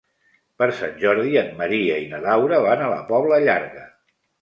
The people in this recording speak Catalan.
Per Sant Jordi en Maria i na Laura van a la Pobla Llarga.